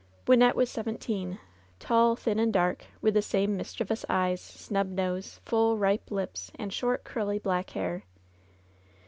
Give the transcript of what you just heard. Wynnette was seventeen ; tall, thin and dark ; with the same mischievous eyes, snub nose^ full, ripe lips, and short, curly, black hair.